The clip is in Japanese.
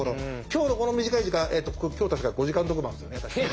今日のこの短い時間今日確か５時間特番ですよね？